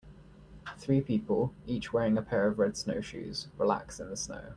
Three people, each wearing pair of red snowshoes, relax in the snow.